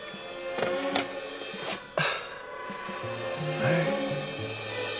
☎はい。